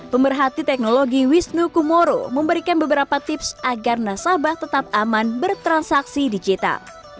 pemerhati teknologi wisnu kumoro memberikan beberapa tips agar nasabah tetap aman bertransaksi digital